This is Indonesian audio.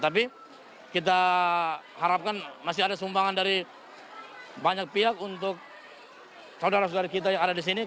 tapi kita harapkan masih ada sumbangan dari banyak pihak untuk saudara saudara kita yang ada di sini